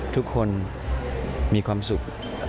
ทุกคนมีความสุข